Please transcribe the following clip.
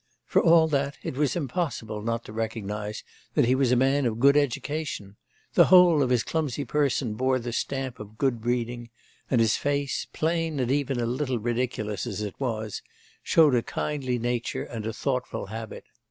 For all that, it was impossible not to recognise that he was a man of good education; the whole of his clumsy person bore the stamp of good breeding; and his face, plain and even a little ridiculous as it was, showed a kindly nature and a thoughtful habit.